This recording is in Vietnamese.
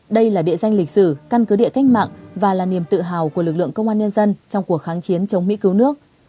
đây là địa danh lịch sử căn cứ địa cách mạng và là niềm tự hào của lực lượng công an nhân dân trong cuộc kháng chiến chống mỹ cứu nước